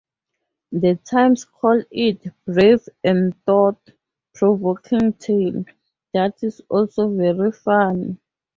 The Times called it "brave and thought provoking telly, that is also very funny".